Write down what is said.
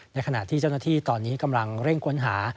ขณะที่เจ้าหน้าที่ตอนนี้กำลังเร่งค้นหา